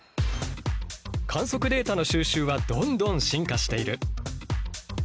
観測データの収集はどんどん進化している！